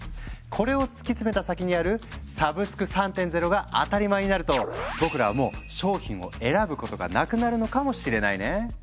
これを突き詰めた先にある「サブスク３．０」が当たり前になると僕らはもう商品を選ぶことがなくなるのかもしれないね。